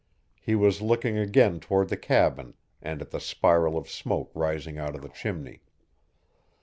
He was looking again toward the cabin and at the spiral of smoke rising out of the chimney.